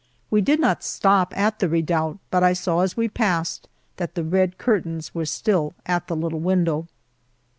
We did not stop at the Redoubt, but I saw as we passed that the red curtains were still at the little window.